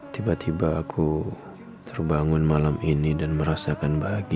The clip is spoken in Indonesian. tiba tiba aku terbangun malam ini dan merasakan bahagia